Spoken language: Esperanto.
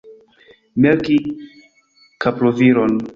Melki kaproviron.